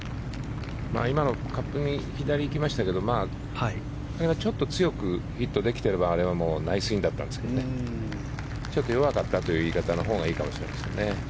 今のはカップの左に行きましたけどあれがちょっと強くフィットできていればナイスインだったんですけど弱かったという言い方のほうがいいかもしれません。